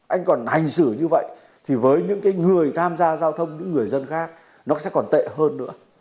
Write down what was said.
anh còn hành xử như vậy thì với những cái người tham gia giao thông những người dân khác nó sẽ còn tệ hơn nữa